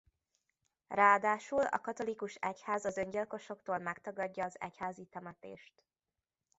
Ráadásul a katolikus egyház az öngyilkosoktól megtagadja az egyházi temetést.